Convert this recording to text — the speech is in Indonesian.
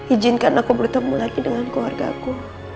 ijinkan aku bertemu lagi dengan keluarga aku